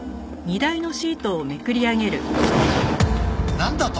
なんだと！？